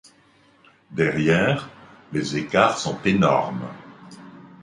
Derrière, les écarts sont énormes.